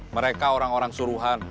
mereka orang orang suruhan